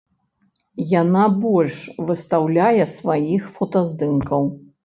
Яна больш выстаўляе сваіх фотаздымкаў.